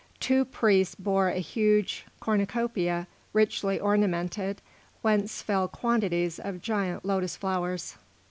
Two priests bore a huge cornucopia richly ornamented, whence fell quantities of giant lotus flowers.